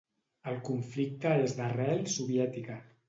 El conflicte és d'arrel soviètica.